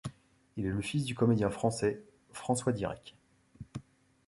Il est le fils du comédien français, François Dyrek.